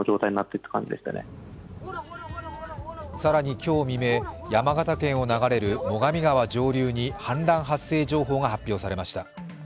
更に今日未明、山形県を流れる最上川上流に氾濫発生情報が発表されました。